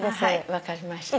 分かりました。